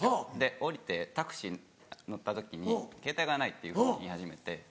降りてタクシー乗った時に「ケータイがない」っていうふうに言い始めて。